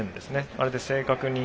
あれで正確に。